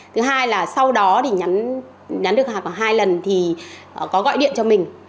thứ hai là sau đó thì nhắn được hạt khoảng hai lần thì có gọi điện cho mình